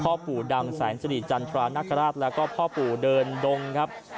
พ่อปู่ดังแสนสลิจจันทรานักกระราศแล้วก็พ่อปู่เดินดงครับ